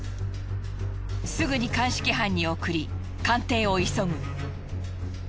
すぐに鑑識班に送り鑑定を急ぐ。